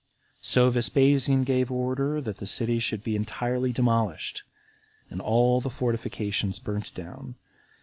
So Vespasian gave order that the city should be entirely demolished, and all the fortifications burnt down.